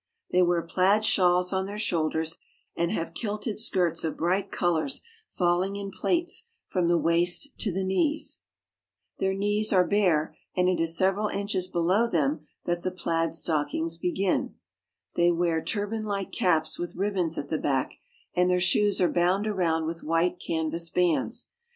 They wear plaid shawls on their shoulders, and have kilted skirts of bright colors falling in plaits from the waist to the knee. Their knees are bare, and below them that the plaid stockings begin. They wear turbanlike caps with ribbons at the back, and their shoes are bound around with white canvas bands.